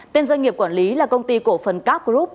tên doanh nghiệp quản lý là công ty cổ phần cap group